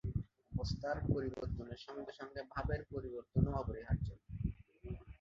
অবস্থার পরিবর্তনের সঙ্গে সঙ্গে ভাবের পরিবর্তনও অপরিহার্য।